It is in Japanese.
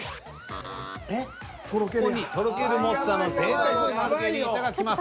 ここにとろけるモッツァの贅沢マルゲリータがきます。